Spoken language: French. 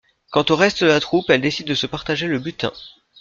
Quant au reste de la troupe elle décide de se partager le butin.